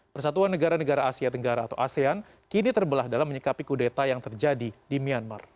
persatuan negara negara asia tenggara atau asean kini terbelah dalam menyikapi kudeta yang terjadi di myanmar